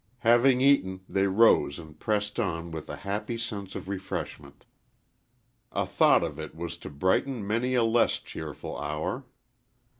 Having eaten, they rose and pressed on with a happy sense of refreshment. A thought of it was to brighten many a less cheerful hour.